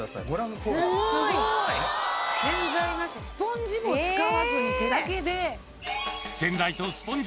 スポンジも使わずに手だけで。